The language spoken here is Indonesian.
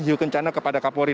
hiyo kencana kepada kapolri